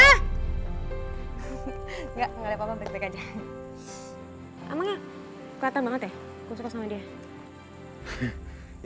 ama nggak keliatan banget ya gue suka sama dia